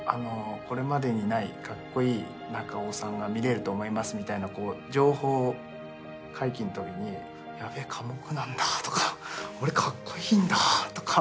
これまでにないカッコイイ中尾さんが見れると思いますみたいな情報解禁のときにヤベ寡黙なんだとか俺カッコイイんだとか。